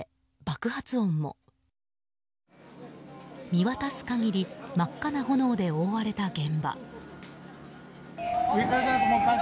見渡す限り、真っ赤な炎で覆われた現場。